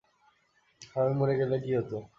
হারামী মরে গেলে কী হতো?